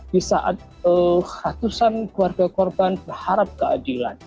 di saat ratusan keluarga korban berharap keadilan